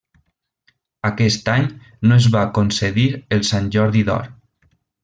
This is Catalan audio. Aquest any no es va concedir el Sant Jordi d'Or.